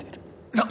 なっ！？